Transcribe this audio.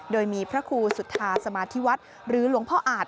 โดยมีพระครูสุธาสมาธิวัฒน์หรือหลวงพ่ออาจ